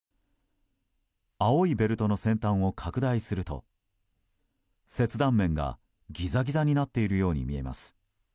青いベルトの先端を拡大すると切断面がギザギザになっているように見えます。